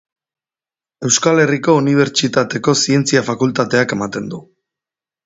Euskal Herriko Unibertsitateko Zientzia Fakultateak ematen du.